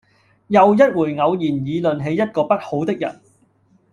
又一回偶然議論起一個不好的人，